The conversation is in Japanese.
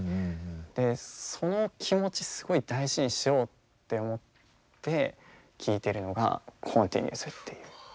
でその気持ちすごい大事にしようって思って聴いてるのが「Ｃｏｎｔｉｎｕｅｓ」っていう曲です。